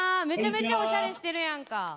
めちゃめちゃおしゃれしてるやんか。